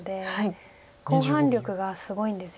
後半力がすごいんですよね。